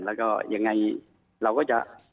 และก็อย่างไรเราก็จะ